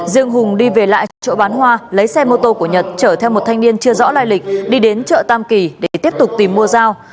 riêng hùng đi về lại chỗ bán hoa lấy xe mô tô của nhật chở theo một thanh niên chưa rõ lai lịch đi đến chợ tam kỳ để tiếp tục tìm mua giao